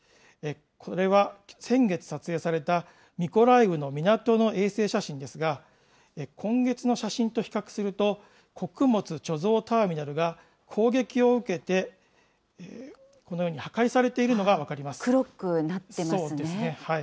これは先月撮影されたミコライウの港の衛星写真ですが、今月の写真と比較すると、穀物貯蔵ターミナルが攻撃を受けて、このように黒くなってますね。